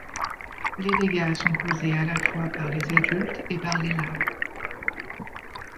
Les dégâts sont causés à la fois par les adultes et par les larves.